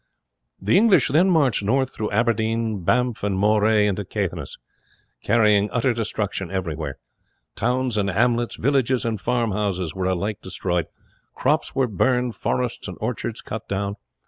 The English then marched north through Aberdeen, Banff, and Moray into Caithness, carrying utter destruction everywhere; towns and hamlets, villages and farmhouses were alike destroyed; crops were burned, forests and orchards cut down.